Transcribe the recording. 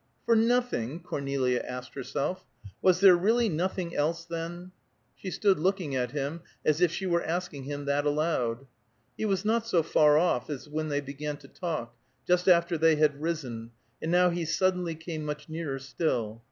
"For nothing?" Cornelia asked herself. Was there really nothing else, then? She stood looking at him, as if she were asking him that aloud. He was not so far off as when they began to talk, just after they had risen, and now he suddenly came much nearer still.